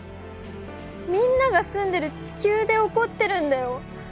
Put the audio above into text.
みんなが住んでる地球で起こってるんだよ？